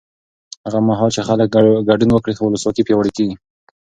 هغه مهال چې خلک ګډون وکړي، ولسواکي پیاوړې کېږي.